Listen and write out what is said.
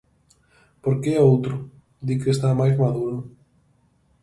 Porque é outro, di que está máis maduro.